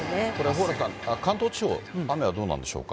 蓬莱さん、関東地方、雨はどうなんでしょうか。